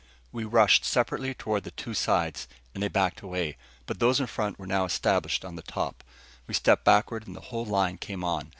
We rushed separately toward the two sides, and they backed away. But those in front were now established on the top. We stepped backward, and the whole line came on.